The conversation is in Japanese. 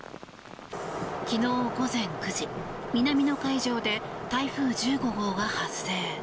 昨日午前９時南の海上で台風１５号が発生。